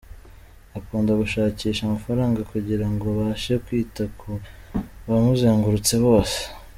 Akunda gushakisha amafaranga kugira ngo abashe kwita ku bamuzengurutse bose .